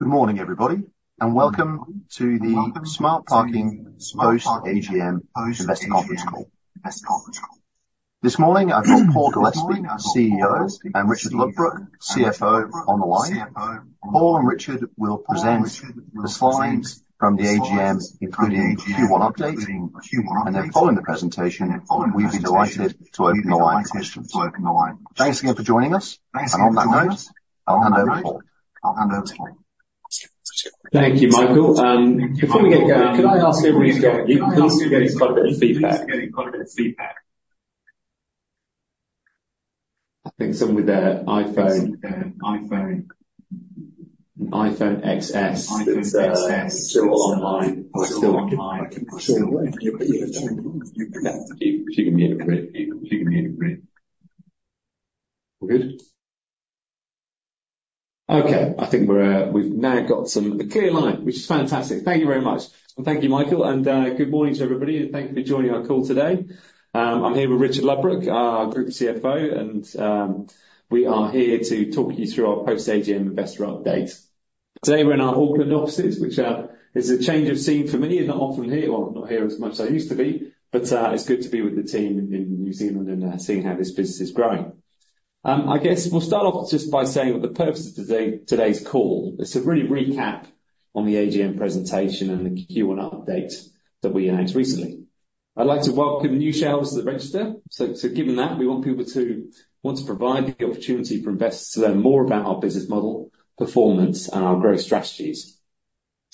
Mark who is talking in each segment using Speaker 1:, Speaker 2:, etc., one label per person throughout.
Speaker 1: Good morning, everybody, and welcome to the Smart Parking Post AGM Investor Conference call. This morning, I've got Paul Gillespie, CEO, and Richard Ludbrook, CFO, on the line. Paul and Richard will present the slides from the AGM, including Q1 updates, and then following the presentation, we'll be delighted to open the line for questions. Thanks again for joining us, and on that note, I'll hand over to Paul.
Speaker 2: Thank you, Michael. Before we get going, could I ask everybody to give me quite a bit of feedback? I think someone with their iPhone XS is still online. She can mute and read. We're good? Okay. I think we've now got a clear line, which is fantastic. Thank you very much and thank you, Michael. Good morning to everybody, and thank you for joining our call today. I'm here with Richard Ludbrook, our Group CFO, and we are here to talk you through our Post AGM Investor Update. Today, we're in our Auckland offices, which is a change of scene for many. I'm not often here, well, not here as much as I used to be, but it's good to be with the team in New Zealand and seeing how this business is growing. I guess we'll start off just by saying the purpose of today's call. It's really a recap on the AGM presentation and the Q1 update that we announced recently. I'd like to welcome new shareholders to the register. So given that, we want people to want to provide the opportunity for investors to learn more about our business model, performance, and our growth strategies.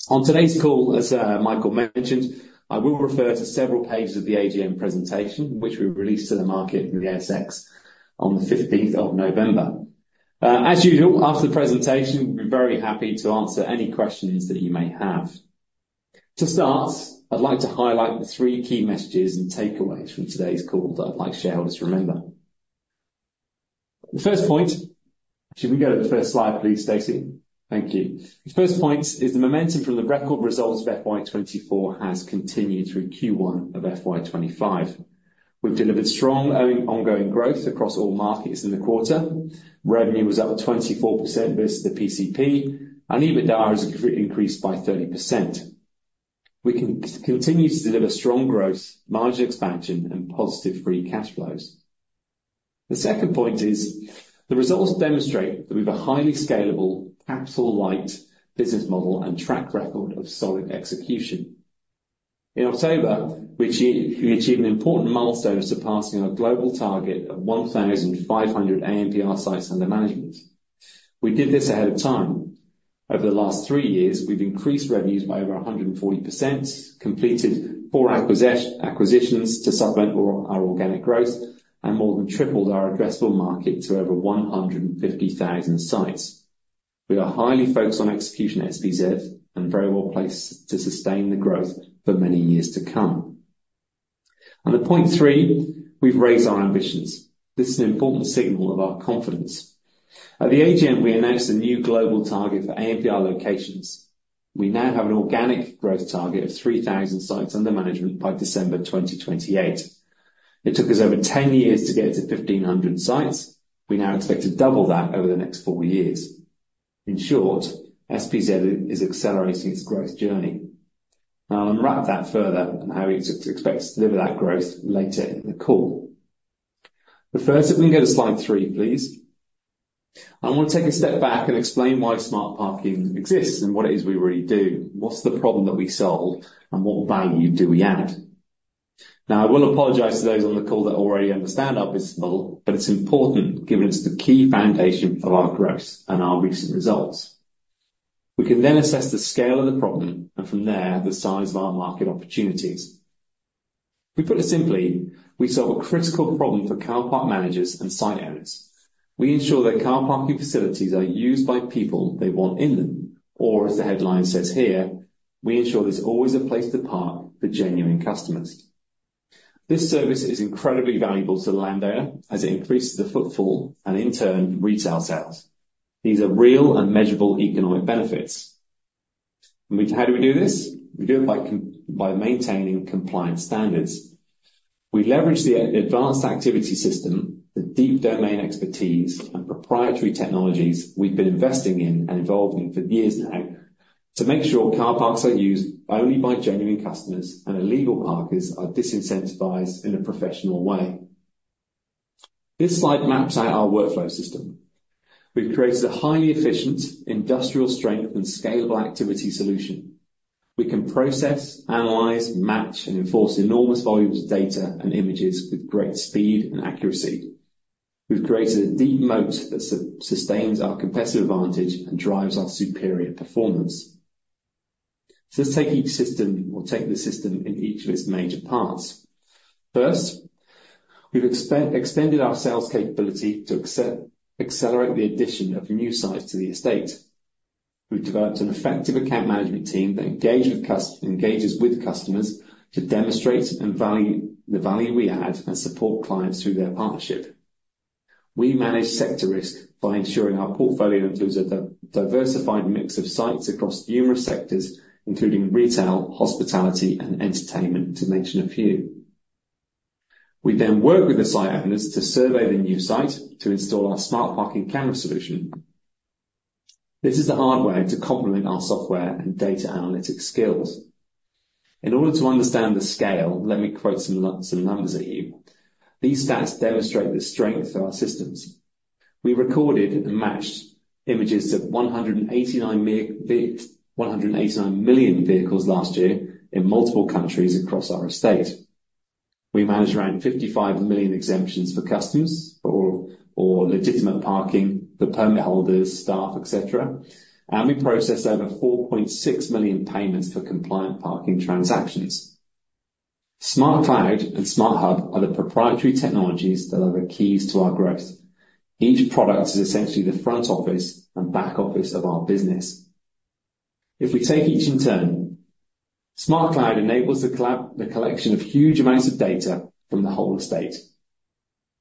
Speaker 2: On today's call, as Michael mentioned, I will refer to several pages of the AGM presentation, which we released to the market in the ASX on the 15th of November. As usual, after the presentation, we'll be very happy to answer any questions that you may have. To start, I'd like to highlight the three key messages and takeaways from today's call that I'd like shareholders to remember. The first point, actually, can we go to the first slide, please, Stacy? Thank you. The first point is the momentum from the record results of FY24 has continued through Q1 of FY25. We've delivered strong ongoing growth across all markets in the quarter. Revenue was up 24% versus the PCP, and EBITDA has increased by 30%. We can continue to deliver strong growth, margin expansion, and positive free cash flows. The second point is the results demonstrate that we have a highly scalable, capital-light business model and track record of solid execution. In October, we achieved an important milestone of surpassing our global target of 1,500 ANPR sites under management. We did this ahead of time. Over the last three years, we've increased revenues by over 140%, completed four acquisitions to supplement our organic growth, and more than tripled our addressable market to over 150,000 sites. We are highly focused on execution at SPZ and very well placed to sustain the growth for many years to come. On the point three, we've raised our ambitions. This is an important signal of our confidence. At the AGM, we announced a new global target for ANPR locations. We now have an organic growth target of 3,000 sites under management by December 2028. It took us over 10 years to get to 1,500 sites. We now expect to double that over the next four years. In short, SPZ is accelerating its growth journey. I'll unwrap that further and how we expect to deliver that growth later in the call. But first, if we can go to slide three, please. I want to take a step back and explain why Smart Parking exists and what it is we really do. What's the problem that we solve, and what value do we add? Now, I will apologize to those on the call that already understand our business model, but it's important given it's the key foundation of our growth and our recent results. We can then assess the scale of the problem and, from there, the size of our market opportunities. To put it simply, we solve a critical problem for car park managers and site owners. We ensure that car parking facilities are used by people they want in them, or as the headline says here, "We ensure there's always a place to park for genuine customers." This service is incredibly valuable to the landowner as it increases the footfall and, in turn, retail sales. These are real and measurable economic benefits. How do we do this? We do it by maintaining compliance standards. We leverage the advanced activity system, the deep domain expertise, and proprietary technologies we've been investing in and involved in for years now to make sure car parks are used only by genuine customers and illegal parkers are disincentivized in a professional way. This slide maps out our workflow system. We've created a highly efficient, industrial-strength, and scalable activity solution. We can process, analyze, match, and enforce enormous volumes of data and images with great speed and accuracy. We've created a deep moat that sustains our competitive advantage and drives our superior performance. So let's take each system or take the system in each of its major parts. First, we've extended our sales capability to accelerate the addition of new sites to the estate. We've developed an effective account management team that engages with customers to demonstrate the value we add and support clients through their partnership. We manage sector risk by ensuring our portfolio includes a diversified mix of sites across numerous sectors, including retail, hospitality, and entertainment, to mention a few. We then work with the site owners to survey the new site to install our Smart Parking Camera solution. This is the hardware to complement our software and data analytics skills. In order to understand the scale, let me quote some numbers at you. These stats demonstrate the strength of our systems. We recorded and matched images to 189 million vehicles last year in multiple countries across our estate. We manage around 55 million exemptions for customers or legitimate parking for permit holders, staff, etc., and we process over 4.6 million payments for compliant parking transactions. SmartCloud and SmartHub are the proprietary technologies that are the keys to our growth. Each product is essentially the front office and back office of our business. If we take each in turn, SmartCloud enables the collection of huge amounts of data from the whole estate,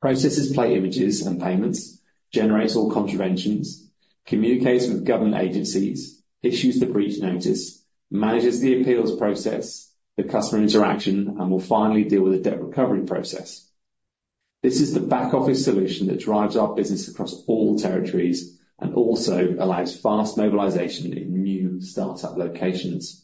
Speaker 2: processes plate images and payments, generates all contraventions, communicates with government agencies, issues the breach notice, manages the appeals process, the customer interaction, and will finally deal with the debt recovery process. This is the back office solution that drives our business across all territories and also allows fast mobilization in new startup locations.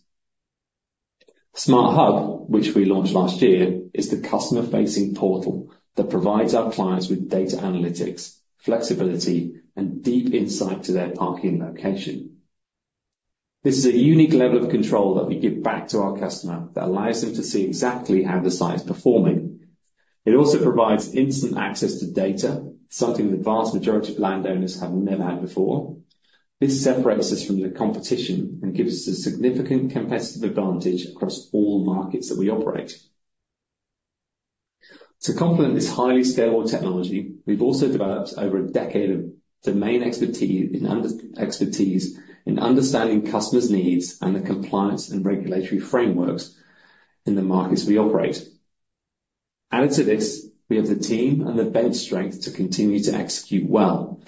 Speaker 2: SmartHub, which we launched last year, is the customer-facing portal that provides our clients with data analytics, flexibility, and deep insight to their parking location. This is a unique level of control that we give back to our customer that allows them to see exactly how the site is performing. It also provides instant access to data, something the vast majority of landowners have never had before. This separates us from the competition and gives us a significant competitive advantage across all markets that we operate. To complement this highly scalable technology, we've also developed over a decade of domain expertise in understanding customers' needs and the compliance and regulatory frameworks in the markets we operate. Added to this, we have the team and the bench strength to continue to execute well.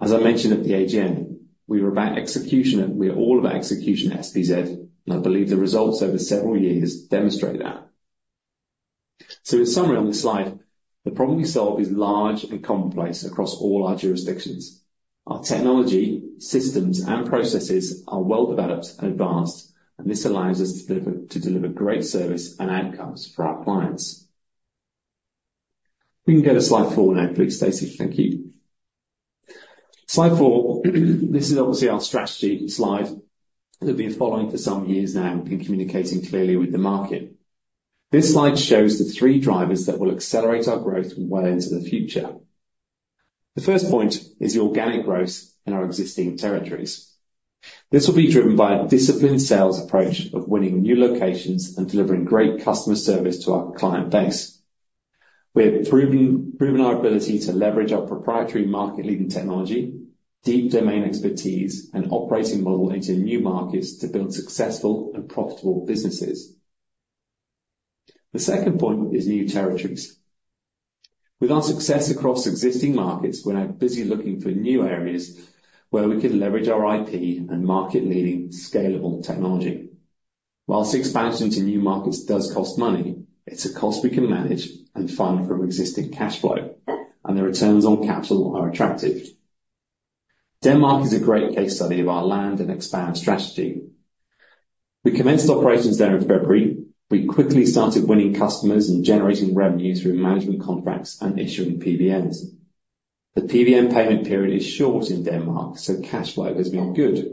Speaker 2: As I mentioned at the AGM, we are about execution, and we are all about execution at SPZ, and I believe the results over several years demonstrate that. So in summary on this slide, the problem we solve is large and complex across all our jurisdictions. Our technology, systems, and processes are well developed and advanced, and this allows us to deliver great service and outcomes for our clients. We can go to slide four now, please. Stacy, thank you. Slide four, this is obviously our strategy slide. We've been following for some years now and communicating clearly with the market. This slide shows the three drivers that will accelerate our growth well into the future. The first point is the organic growth in our existing territories. This will be driven by a disciplined sales approach of winning new locations and delivering great customer service to our client base. We have proven our ability to leverage our proprietary market-leading technology, deep domain expertise, and operating model into new markets to build successful and profitable businesses. The second point is new territories. With our success across existing markets, we're now busy looking for new areas where we can leverage our IP and market-leading scalable technology. While expansion to new markets does cost money, it's a cost we can manage and fund from existing cash flow, and the returns on capital are attractive. Denmark is a great case study of our land and expand strategy. We commenced operations there in February. We quickly started winning customers and generating revenue through management contracts and issuing PBNs. The PBN payment period is short in Denmark, so cash flow has been good.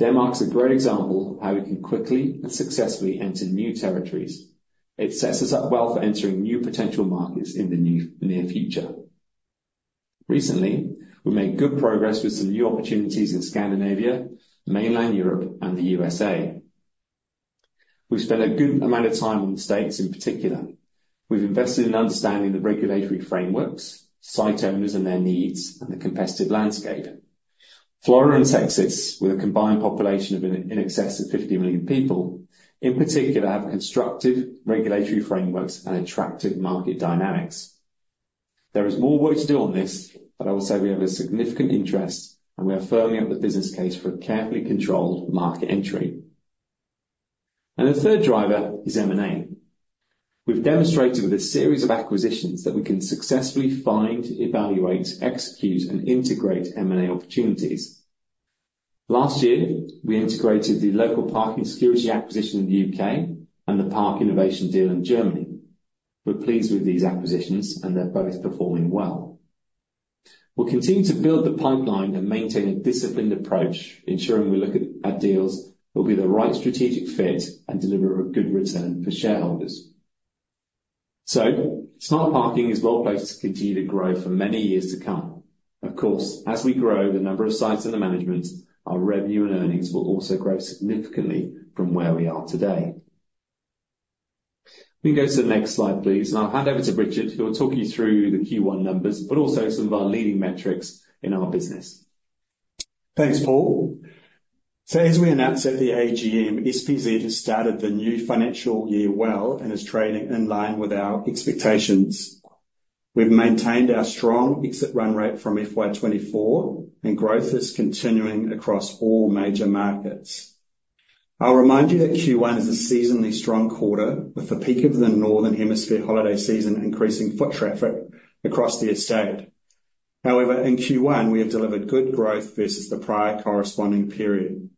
Speaker 2: Denmark is a great example of how we can quickly and successfully enter new territories. It sets us up well for entering new potential markets in the near future. Recently, we made good progress with some new opportunities in Scandinavia, mainland Europe, and the USA. We've spent a good amount of time in the States in particular. We've invested in understanding the regulatory frameworks, site owners and their needs, and the competitive landscape. Florida and Texas, with a combined population of in excess of 50 million people, in particular, have constructive regulatory frameworks and attractive market dynamics. There is more work to do on this, but I will say we have a significant interest, and we are firming up the business case for a carefully controlled market entry. And the third driver is M&A. We've demonstrated with a series of acquisitions that we can successfully find, evaluate, execute, and integrate M&A opportunities. Last year, we integrated the Local Parking Security acquisition in the U.K. and the ParkInnovation deal in Germany. We're pleased with these acquisitions, and they're both performing well. We'll continue to build the pipeline and maintain a disciplined approach, ensuring we look at deals that will be the right strategic fit and deliver a good return for shareholders. So Smart Parking is well placed to continue to grow for many years to come. Of course, as we grow the number of sites under management, our revenue and earnings will also grow significantly from where we are today. We can go to the next slide, please, and I'll hand over to Richard, who will talk you through the Q1 numbers, but also some of our leading metrics in our business.
Speaker 3: Thanks, Paul. So as we announced at the AGM, SPZ has started the new financial year well and is trading in line with our expectations. We've maintained our strong exit run rate from FY24, and growth is continuing across all major markets. I'll remind you that Q1 is a seasonally strong quarter, with the peak of the northern hemisphere holiday season increasing foot traffic across the estate. However, in Q1, we have delivered good growth versus the prior corresponding period.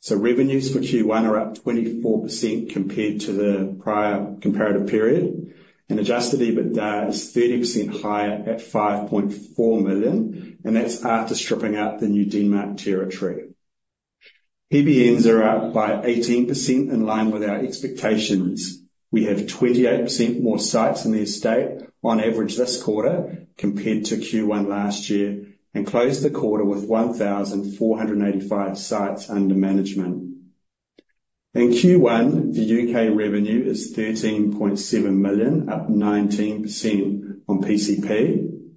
Speaker 3: So revenues for Q1 are up 24% compared to the prior comparative period, and adjusted EBITDA is 30% higher at 5.4 million, and that's after stripping out the new Denmark territory. PBNs are up by 18% in line with our expectations. We have 28% more sites in the estate on average this quarter compared to Q1 last year and closed the quarter with 1,485 sites under management. In Q1, the UK revenue is 13.7 million, up 19% on PCP.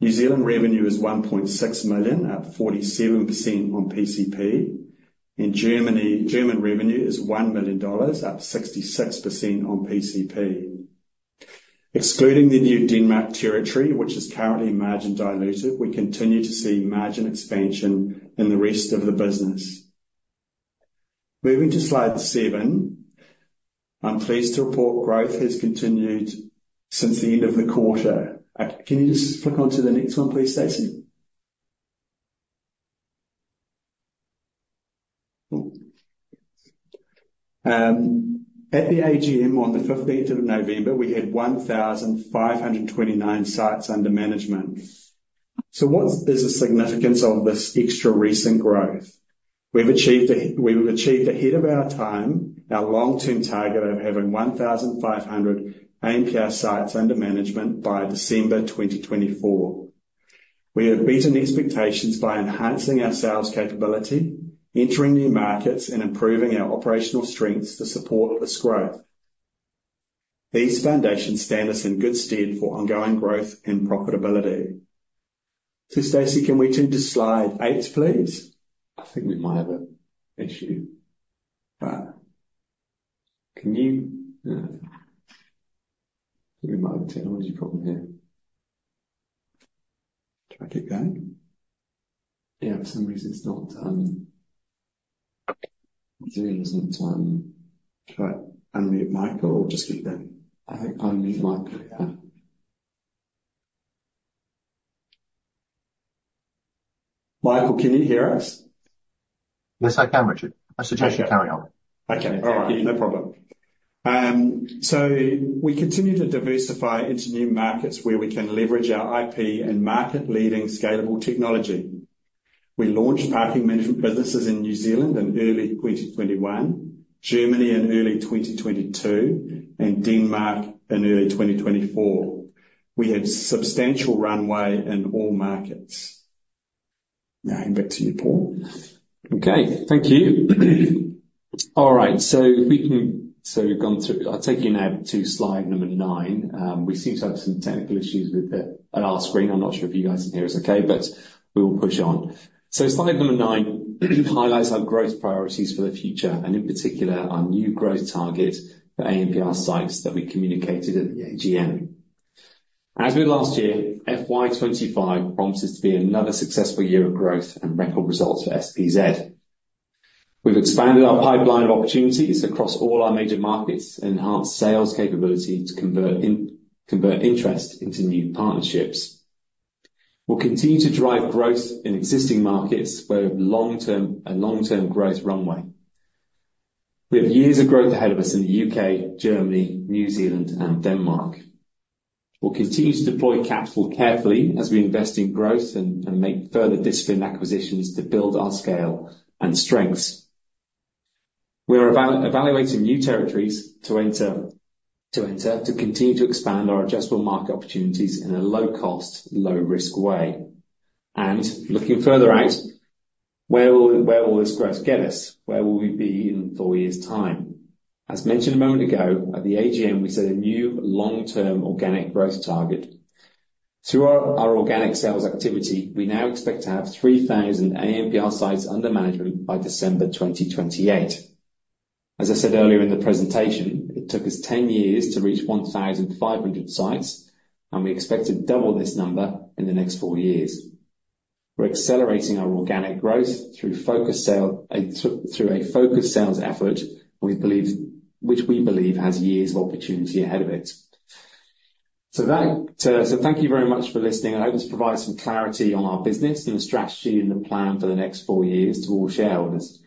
Speaker 3: New Zealand revenue is 1.6 million, up 47% on PCP. In Germany, German revenue is AUD 1 million, up 66% on PCP. Excluding the new Denmark territory, which is currently margin diluted, we continue to see margin expansion in the rest of the business. Moving to slide seven, I'm pleased to report growth has continued since the end of the quarter. Can you just flick on to the next one, please, Stacy? At the AGM on the 15th of November, we had 1,529 sites under management. So what is the significance of this extra recent growth? We have achieved ahead of time our long-term target of having 1,500 ANPR sites under management by December 2024. We have beaten expectations by enhancing our sales capability, entering new markets, and improving our operational strengths to support this growth. These foundations stand us in good stead for ongoing growth and profitability. Stacy, can we turn to slide eight, please? I think we might have an issue. Can you... We might have a technology problem here. Try to keep going. Yeah, for some reason it's not... Zoom isn't trying to unmute Michael or just keep going.I think unmute Michael, yeah. Michael, can you hear us?
Speaker 1: Yes, I can, Richard. I suggest you carry on.
Speaker 3: Okay, no problem. So we continue to diversify into new markets where we can leverage our IP and market-leading scalable technology. We launched parking management businesses in New Zealand in early 2021, Germany in early 2022, and Denmark in early 2024. We have substantial runway in all markets. Now, back to you, Paul.
Speaker 2: Okay, thank you. All right, so we've gone through. I'll take you now to slide number nine. We seem to have some technical issues with our screen. I'm not sure if you guys can hear us okay, but we will push on. So slide number nine highlights our growth priorities for the future, and in particular, our new growth targets for ANPR sites that we communicated at the AGM. As with last year, FY25 promises to be another successful year of growth and record results for SPZ. We've expanded our pipeline of opportunities across all our major markets and enhanced sales capability to convert interest into new partnerships. We'll continue to drive growth in existing markets with a long-term growth runway. We have years of growth ahead of us in the U.K., Germany, New Zealand, and Denmark. We'll continue to deploy capital carefully as we invest in growth and make further disciplined acquisitions to build our scale and strengths. We are evaluating new territories to enter to continue to expand our addressable market opportunities in a low-cost, low-risk way, and looking further out, where will this growth get us? Where will we be in four years' time? As mentioned a moment ago, at the AGM, we set a new long-term organic growth target. Through our organic sales activity, we now expect to have 3,000 ANPR sites under management by December 2028. As I said earlier in the presentation, it took us 10 years to reach 1,500 sites, and we expect to double this number in the next four years. We're accelerating our organic growth through a focused sales effort, which we believe has years of opportunity ahead of it. So thank you very much for listening. I hope this provides some clarity on our business and the strategy and the plan for the next four years to all shareholders.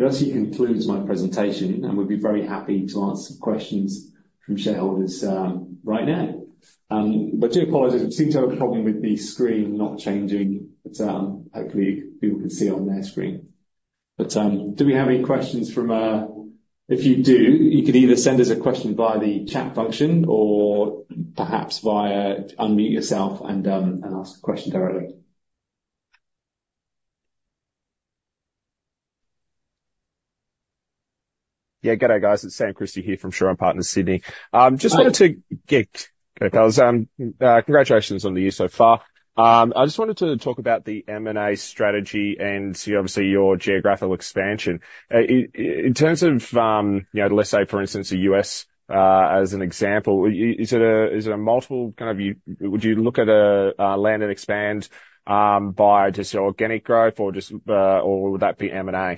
Speaker 2: It actually concludes my presentation, and we'd be very happy to answer questions from shareholders right now. But I do apologize, we seem to have a problem with the screen not changing, but hopefully people can see on their screen. But do we have any questions from... If you do, you can either send us a question via the chat function or perhaps via unmute yourself and ask a question directly.
Speaker 4: Yeah, G'day, guys. It's Sam Christie here from Shaw and Partners, Sydney. Just wanted to... Yeah, G'day. Congratulations on the year so far. I just wanted to talk about the M&A strategy and obviously your geographical expansion. In terms of, let's say, for instance, the U.S. as an example, is it a multiple kind of... Would you look at a land and expand via just your organic growth, or would that be M&A?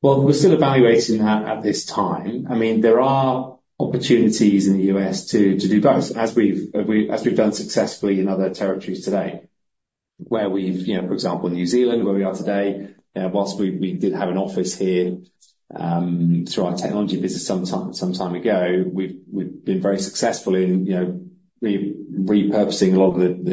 Speaker 4: Well, we're still evaluating that at this time. I mean, there are opportunities in the U.S. to do both, as we've done successfully in other territories today, where we've, for example, New Zealand, where we are today. While we did have an office here through our technology business some time ago, we've been very successful in repurposing a lot of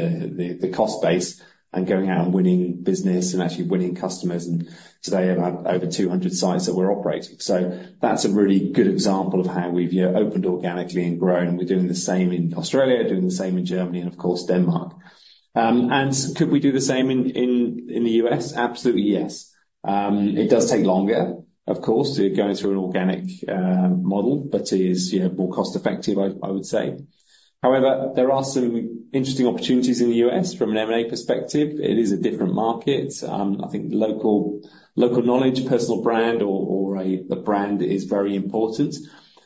Speaker 4: the cost base and going out and winning business and actually winning customers. And today, about over 200 sites that we're operating. So that's a really good example of how we've opened organically and grown, and we're doing the same in Australia, doing the same in Germany, and of course, Denmark. And could we do the same in the U.S.? Absolutely, yes. It does take longer, of course, to go through an organic model, but it is more cost-effective, I would say. However, there are some interesting opportunities in the U.S. from an M&A perspective. It is a different market. I think local knowledge, personal brand, or the brand is very important.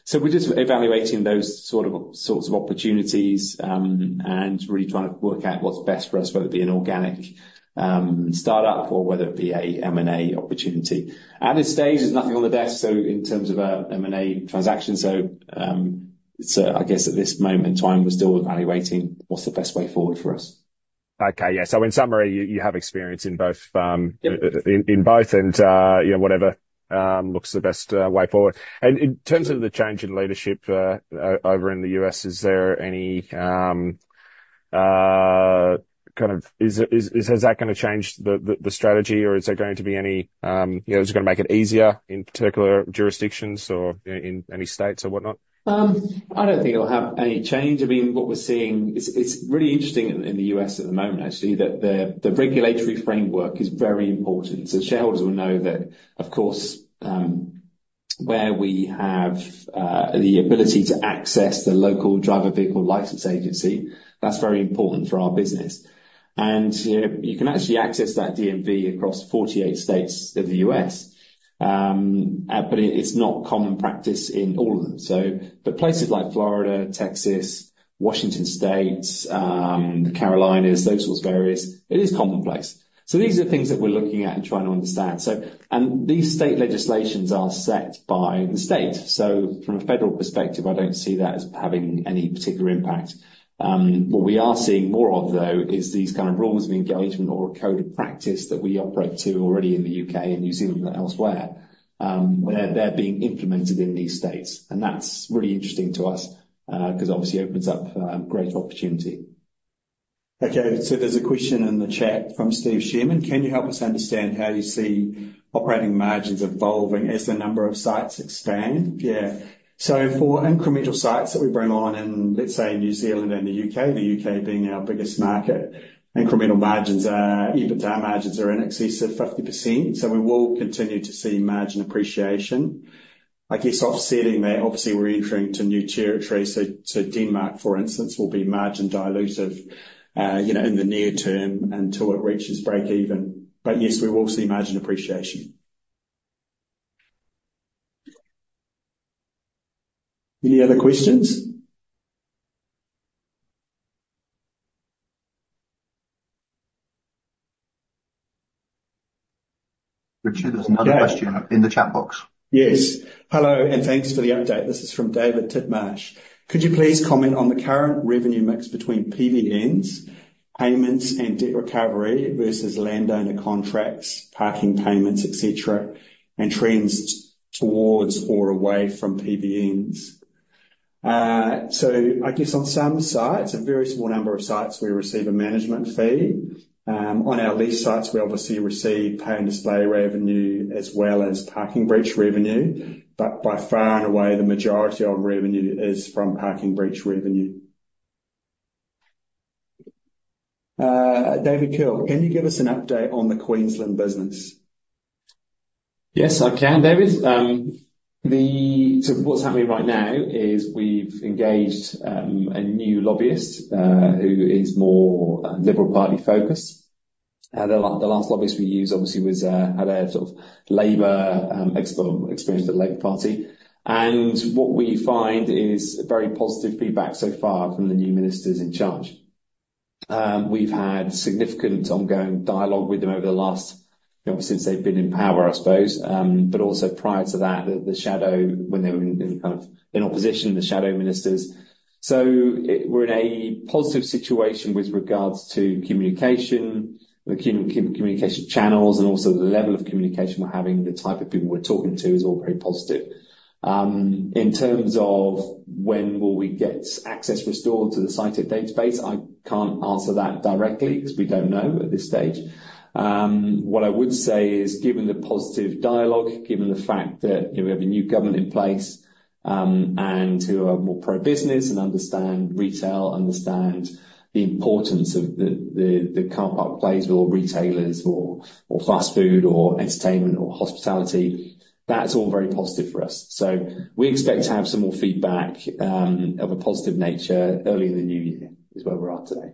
Speaker 4: So we're just evaluating those sorts of opportunities and really trying to work out what's best for us, whether it be an organic startup or whether it be an M&A opportunity. At this stage, there's nothing on the desk, so in terms of our M&A transactions, I guess at this moment in time, we're still evaluating what's the best way forward for us. Okay, yeah. So in summary, you have experience in both and whatever looks the best way forward. And in terms of the change in leadership over in the U.S., is there any kind of... Has that going to change the strategy, or is there going to be any... Is it going to make it easier in particular jurisdictions or in any states or whatnot?
Speaker 2: I don't think it'll have any change. I mean, what we're seeing is really interesting in the U.S. at the moment, actually, that the regulatory framework is very important. So shareholders will know that, of course, where we have the ability to access the local driver vehicle license agency, that's very important for our business. And you can actually access that DMV across 48 states of the U.S., but it's not common practice in all of them. But places like Florida, Texas, Washington State, Carolinas, those sorts of areas, it is commonplace. So these are things that we're looking at and trying to understand. And these state legislations are set by the state. So from a federal perspective, I don't see that as having any particular impact. What we are seeing more of, though, is these kind of rules of engagement or a code of practice that we operate to already in the U.K. and New Zealand and elsewhere, where they're being implemented in these states, and that's really interesting to us because obviously it opens up great opportunity. Okay, so there's a question in the chat from Steve Shearman. Can you help us understand how you see operating margins evolving as the number of sites expand? Yeah. So for incremental sites that we bring on in, let's say, New Zealand and the U.K., the U.K. being our biggest market, incremental margins, EBITDA margins are in excess of 50%. So we will continue to see margin appreciation. I guess offsetting that, obviously, we're entering to new territory. So Denmark, for instance, will be margin dilutive in the near term until it reaches break-even. But yes, we will see margin appreciation. Any other questions?
Speaker 1: Richard, there's another question in the chat box.
Speaker 5: Yes. Hello, and thanks for the update. This is from David Tidmarsh. Could you please comment on the current revenue mix between PBNs, payments and debt recovery versus landowner contracts, parking payments, etc., and trends towards or away from PBNs? So I guess on some sites, a very small number of sites, we receive a management fee. On our lease sites, we obviously receive pay and display revenue as well as parking breach revenue. But by far and away, the majority of revenue is from parking breach revenue. David Kirk, can you give us an update on the Queensland business?
Speaker 2: Yes, I can, David. So what's happening right now is we've engaged a new lobbyist who is more Liberal Party-focused. The last lobbyist we used, obviously, had a sort of Labor experience with the Labor Party, and what we find is very positive feedback so far from the new ministers in charge. We've had significant ongoing dialogue with them over the last, obviously, since they've been in power, I suppose, but also prior to that, the shadow, when they were in opposition, the shadow ministers, so we're in a positive situation with regards to communication, the communication channels, and also the level of communication we're having, the type of people we're talking to is all very positive. In terms of when will we get access restored to the state database, I can't answer that directly because we don't know at this stage. What I would say is, given the positive dialogue, given the fact that we have a new government in place and who are more pro-business and understand retail, understand the importance of the car park plays with all retailers or fast food or entertainment or hospitality, that's all very positive for us. So we expect to have some more feedback of a positive nature early in the new year is where we're at today.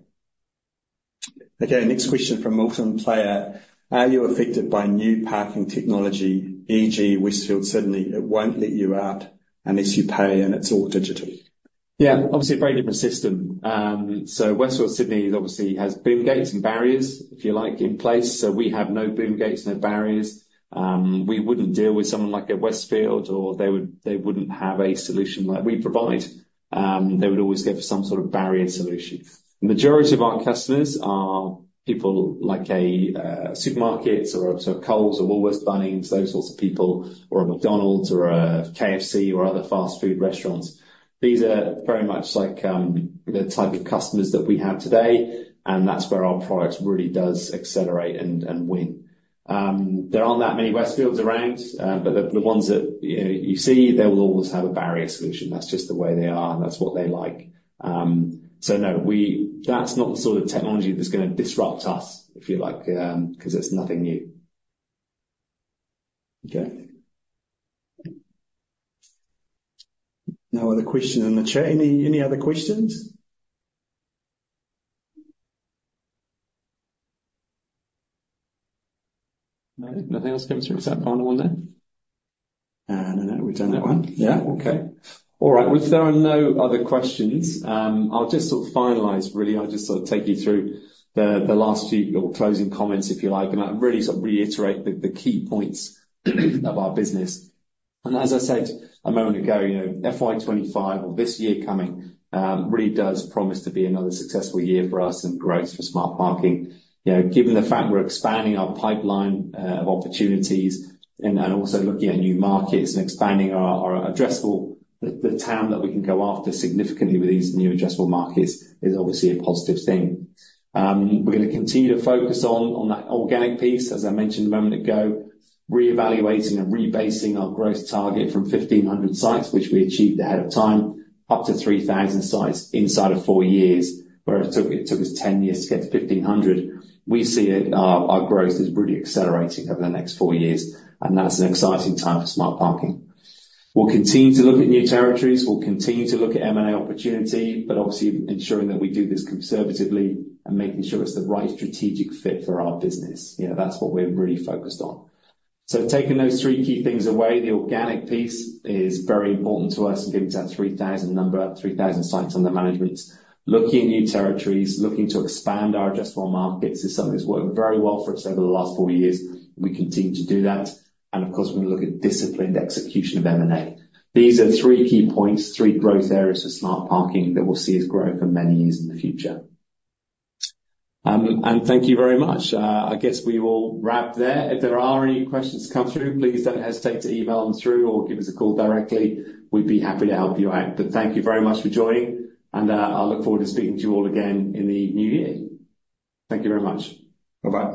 Speaker 1: Okay, next question from Milton Player. Are you affected by new parking technology, e.g., Westfield, Sydney? It won't let you out unless you pay, and it's all digital.
Speaker 2: Yeah, obviously a very different system. So Westfield, Sydney obviously has boom gates and barriers, if you like, in place. So we have no boom gates, no barriers. We wouldn't deal with someone like a Westfield, or they wouldn't have a solution like we provide. They would always go for some sort of barrier solution. The majority of our customers are people like supermarkets or Coles or Woolworths Bunnings, those sorts of people, or a McDonald's or a KFC or other fast food restaurants. These are very much like the type of customers that we have today, and that's where our product really does accelerate and win. There aren't that many Westfields around, but the ones that you see, they will always have a barrier solution. That's just the way they are, and that's what they like. So no, that's not the sort of technology that's going to disrupt us, if you like, because it's nothing new.
Speaker 1: Okay. No other questions in the chat. Any other questions? Nothing else coming through. Is that the final one there? No, no, we've done that one. Yeah, okay.
Speaker 2: All right, well, if there are no other questions, I'll just sort of finalize, really. I'll just sort of take you through the last few closing comments, if you like, and really sort of reiterate the key points of our business, and as I said a moment ago, FY25 or this year coming really does promise to be another successful year for us and growth for Smart Parking. Given the fact we're expanding our pipeline of opportunities and also looking at new markets and expanding our addressable TAM, the TAM that we can go after significantly with these new addressable markets is obviously a positive thing. We're going to continue to focus on that organic piece, as I mentioned a moment ago, reevaluating and rebasing our growth target from 1,500 sites, which we achieved ahead of time, up to 3,000 sites inside of four years, where it took us 10 years to get to 1,500. We see our growth is really accelerating over the next four years, and that's an exciting time for Smart Parking. We'll continue to look at new territories. We'll continue to look at M&A opportunity, but obviously ensuring that we do this conservatively and making sure it's the right strategic fit for our business. That's what we're really focused on. So taking those three key things away, the organic piece is very important to us in getting to that 3,000 number, 3,000 sites under management, looking at new territories, looking to expand our addressable markets is something that's worked very well for us over the last four years. We continue to do that. And of course, we're going to look at disciplined execution of M&A. These are three key points, three growth areas for Smart Parking that we'll see as growth in many years in the future. And thank you very much. I guess we will wrap there. If there are any questions come through, please don't hesitate to email them through or give us a call directly. We'd be happy to help you out. But thank you very much for joining, and I look forward to speaking to you all again in the new year. Thank you very much.
Speaker 1: Bye-bye.